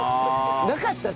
なかった？